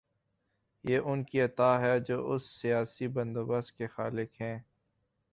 یہ ان کی عطا ہے جو اس سیاسی بندوبست کے خالق ہیں۔